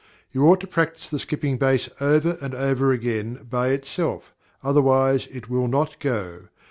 You ought to practise the skipping bass over and over again by itself, otherwise it will not go.